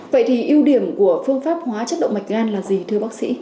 vậy thì ưu điểm của phương pháp hóa chất động mạch gan là gì thưa bác sĩ